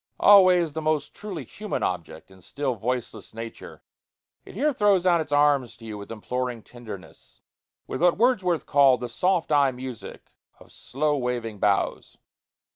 Always the most truly human object in still, voiceless nature, it here throws out its arms to you with imploring tenderness, with what Wordsworth called "the soft eye music of slow waving boughs."